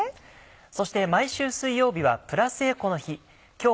そして毎週水曜日はプラスエコの日。